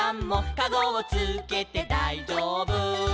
「かごをつけてだいじょうぶ」